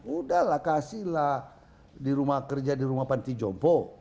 udah lah kasihlah kerja di rumah panti jompo